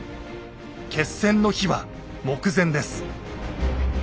決戦の日は目前です。